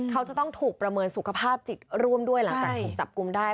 เขาจะต้องถูกประเมินสุขภาพจิตร่วมด้วยหลังจากถูกจับกลุ่มได้